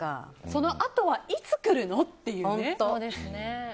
その「あと」はいつくるの？っていう。